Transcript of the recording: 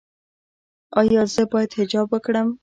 ایا زه باید حجاب وکړم؟